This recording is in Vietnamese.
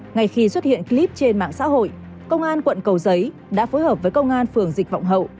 ngay khi xuất hiện clip trên mạng xã hội công an quận cầu giấy đã phối hợp với công an phường dịch vọng hậu